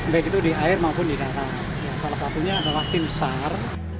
baik itu di air maupun di karang salah satunya adalah tim sar